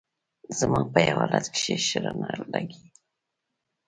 زما په يو حالت کښې شر نه لګي